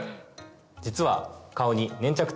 実は。